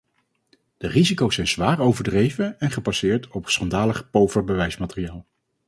Die risico's zijn zwaar overdreven en gebaseerd op schandalig pover bewijsmateriaal.